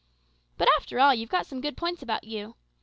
But, after all, you've some good points about you.